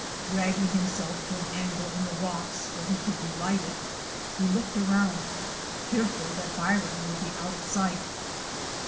Dragging himself to an angle in the rocks where he could relight it, he looked around, fearful that Byron would be out of sight.